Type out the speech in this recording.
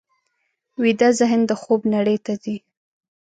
ویده ذهن د خوب نړۍ ته ځي